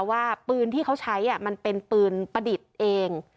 ว่าปืนที่เขาใช้มันเป็นปืนประดิษฐ์เอง